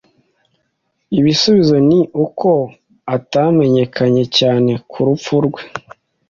ibisubizo ni uko atamenyekanye cyane ku rupfu rwe